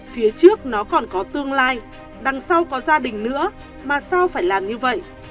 phía trước nó còn có tương lai đằng sau có gia đình nữa mà sao phải làm như vậy